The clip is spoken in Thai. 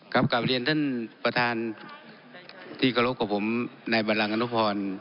ครับกราบเรียนท่านประธานที่กระโลกกับผมในบัลลังค์อันนพร